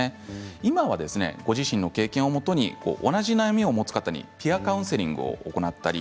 今はご自身の経験をもとに同じ悩みを持つ方にピアカウンセリングを行ったり